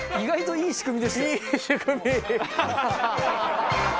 いい仕組み。